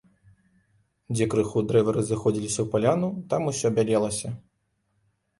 Дзе крыху дрэвы разыходзіліся ў паляну, там усё бялелася.